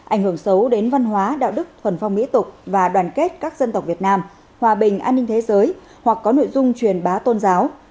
ảnh hưởng xấu đến văn hóa đạo đức thuần phong mỹ tục và đoàn kết các dân tộc việt nam hòa bình an ninh thế giới hoặc có nội dung truyền bá tôn giáo